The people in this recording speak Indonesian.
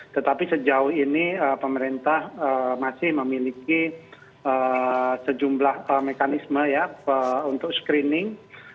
tetapi sejauh ini pemerintah masih memiliki sejumlah mekanisme ya untuk screening